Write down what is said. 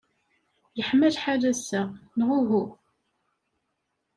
Yeḥma lḥal ass-a, neɣ uhu?